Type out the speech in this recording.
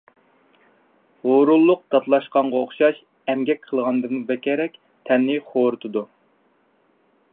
ھۇرۇنلۇق داتلاشقانغا ئوخشاش، ئەمگەك قىلغاندىنمۇ بەكرەك تەننى خورىتىدۇ.